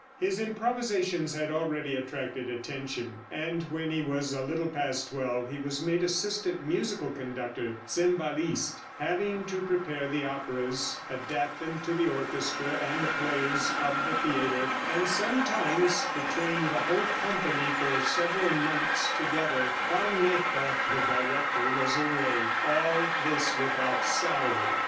His improvisations had already attracted attention, and when he was a little past twelve he was made assistant musical conductor (cembalist), having to prepare the operas, adapt them to the orchestra and the players of the theater, and sometimes to train the whole company for several months together, while Neefe, the director, was away. All this without salary.